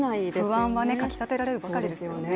不安はかきたてられるばかりですよね。